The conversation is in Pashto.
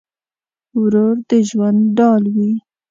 ورور د ژوند ډال وي.